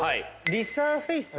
リサーフェイスは？